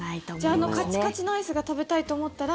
じゃああのカチカチのアイスが食べたいと思ったら。